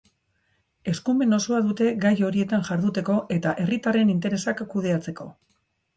Eskumen osoa dute gai horietan jarduteko, eta herritarren interesak kudeatzeko.